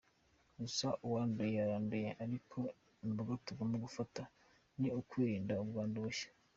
Gusa uwanduye yaranduye ariko ingamba tugomba gufata ni ukwirinda ubwandu bushya".